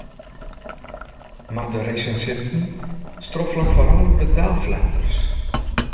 Mar de resinsinten stroffelen foaral oer de taalflaters.